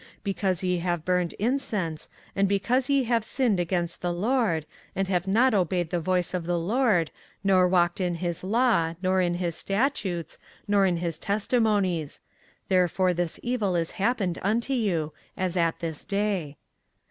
24:044:023 Because ye have burned incense, and because ye have sinned against the LORD, and have not obeyed the voice of the LORD, nor walked in his law, nor in his statutes, nor in his testimonies; therefore this evil is happened unto you, as at this day.